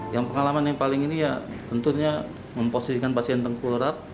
yang pengalaman yang paling ini ya tentunya memposisikan pasien tengkulurat